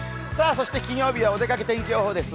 そして、金曜日は「おでかけ天気予報」です。